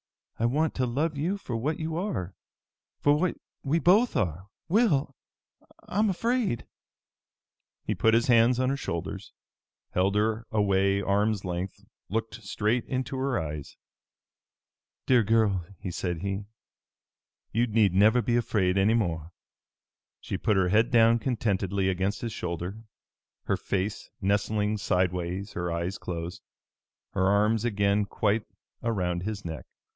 I want to love you for what you are, for what we both are, Will! I'm afraid!" He put his hands on her shoulders, held her away arms' length, looked straight into her eyes. "Dear girl," said he, "you need never be afraid any more." She put her head down contentedly against his shoulder, her face nestling sidewise, her eyes closed, her arms again quite around his neck.